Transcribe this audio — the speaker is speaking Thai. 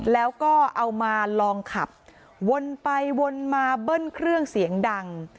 แล้วก็เอามาลองขับวนไปวนมาเบิ้ลเครื่องเสียงดัง